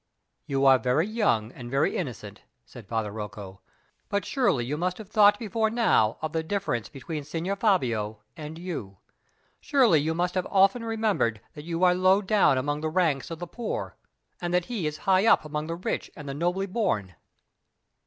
"You are very young and very innocent," said Father Rocco; "but surely you must have thought before now of the difference between Signor Fabio and you. Surely you must have often remembered that you are low down among the ranks of the poor, and that he is high up among the rich and the nobly born?"